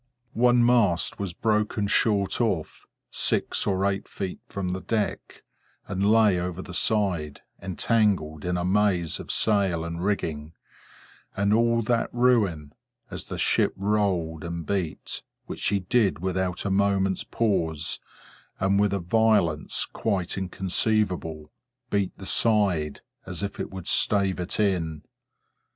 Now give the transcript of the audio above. One mast was broken short off, six or eight feet from the deck, and lay over the side, entangled in a maze of sail and rigging; and all that ruin, as the ship rolled and beat—which she did without a moment's pause, and with a violence quite inconceivable—beat the side as if it would stave it in.